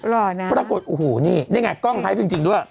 หล่อนะปรากฏนี่ไงกล้องไฮฟจริงด้วย